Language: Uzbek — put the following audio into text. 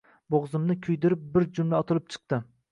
Boʻgʻzimni kuydirib, bir jumla otilib chiqdi: